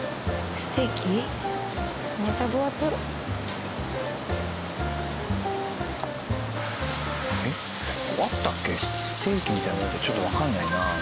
ステーキみたいなのってちょっとわからないな。